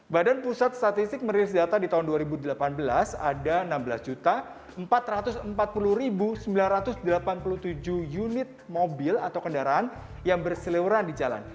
badan pusat statistik merilis data di tahun dua ribu delapan belas ada enam belas empat ratus empat puluh sembilan ratus delapan puluh tujuh unit mobil atau kendaraan yang bersileweran di jalan